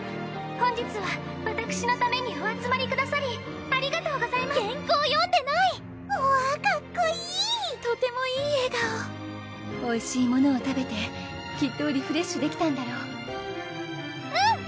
本日はわたくしのためにお集まりくださりありがとうございます原稿読んでないほわかっこいいとてもいい笑顔おいしいものを食べてきっとリフレッシュできたんだろううん！